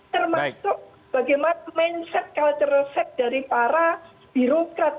termasuk bagaimana mindset cultural set dari para birokrasi